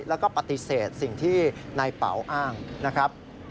แล้วก็ปฏิเสธสิ่งที่นายเป๋าอ้างนะครับ